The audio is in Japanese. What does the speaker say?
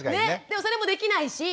でもそれもできないし。